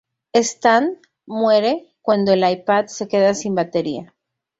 Stan "muere" cuando el iPad se queda sin batería.